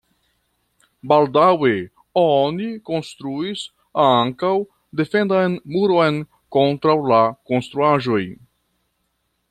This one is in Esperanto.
Baldaŭe oni konstruis ankaŭ defendan muron kontraŭ la konstruaĵoj.